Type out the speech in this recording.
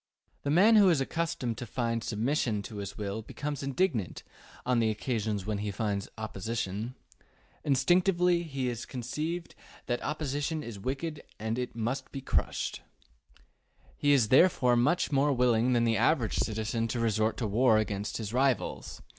The man who is accustomed to find submission to his will becomes indignant on the occasions when he finds opposition. Instinctively he is convinced that opposition is wicked and must be crushed. He is therefore much more willing than the average citizen to resort to war against his rivals.